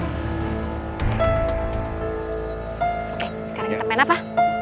oke sekarang kita main apa